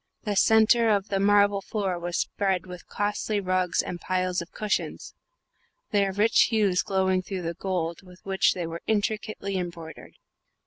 The centre of the marble floor was spread with costly rugs and piles of cushions, their rich hues glowing through the gold with which they were intricately embroidered.